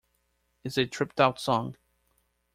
It's a tripped out song.